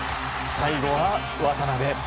最後は渡辺。